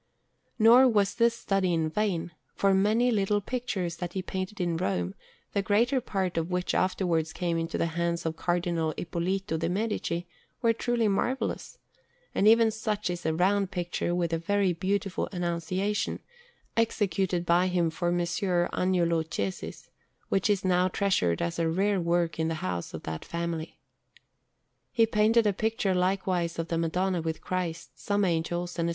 Nor was this study in vain, for many little pictures that he painted in Rome, the greater part of which afterwards came into the hands of Cardinal Ippolito de' Medici, were truly marvellous; and even such is a round picture with a very beautiful Annunciation, executed by him for Messer Agnolo Cesis, which is now treasured as a rare work in the house of that family. He painted a picture, likewise, of the Madonna with Christ, some Angels, and a S.